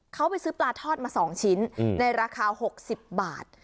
เขาไปซื้อปลาทอดมา๒ชิ้นในราคา๖๐บาท